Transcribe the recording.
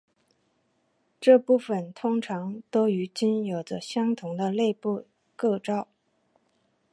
这部分通常都与茎有着相同的内部构造。